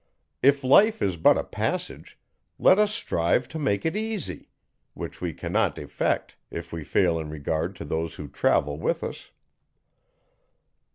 If life is but a passage, let us strive to make it easy; which we cannot effect, if we fail in regard for those who travel with us.